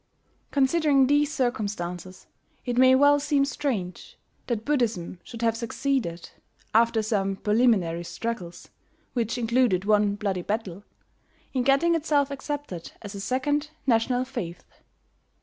Considering these circumstances, it may well seem strange that Buddhism should have succeeded, after some preliminary struggles (which included one bloody battle), in getting itself accepted as a second national faith.